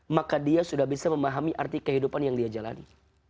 maka dia sudah bisa memahami arti kehidupan yang dia jalani